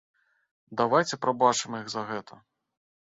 Давайце прабачым іх за гэта.